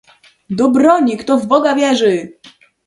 "Do broni, kto w Boga wierzy!"